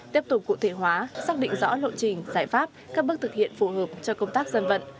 tiếp tục cụ thể hóa xác định rõ lộ trình giải pháp các bước thực hiện phù hợp cho công tác dân vận